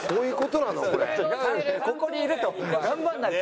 ここにいると頑張んないと。